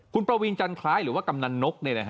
คุณประวีนจันทรายหรือว่ากำนันนก